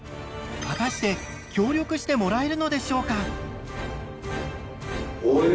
果たして協力してもらえるのでしょうか？